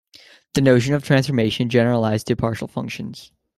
The notion of transformation generalized to partial functions.